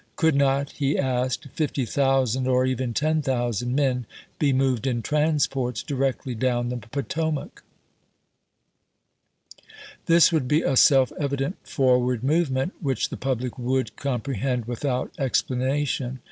Could not, he asked, 50,000 or even 10,000 men be moved in transports directly down the Potomac ? This would be a self evident forward movement, which the public would com prehend without explanation.